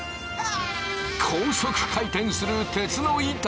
高速回転する鉄の板。